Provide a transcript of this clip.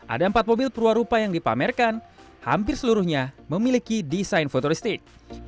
ada empat mobil perwarupa yang dipamerkan hampir seluruhnya memiliki desain futuristik